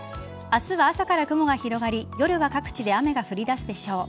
明日は朝から雲が広がり夜は各地で雨が降り出すでしょう。